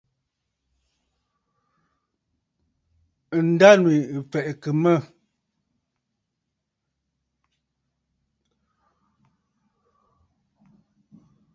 Ǹdânwì ɨ̀ fɛ̀ʼɛ̀kə̀ mə̂.